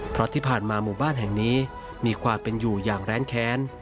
เพราะที่ผ่านมาหมู่บ้านแห่งนี้มีความเป็นอยู่อย่างแรงแค้น